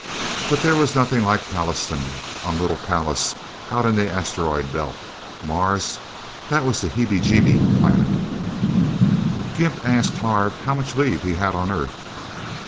But there was nothing like Pallastown, on little Pallas, out in the Asteroid Belt... Mars? That was the heebie jeebie planet. Gimp asked Harv how much leave he had on Earth.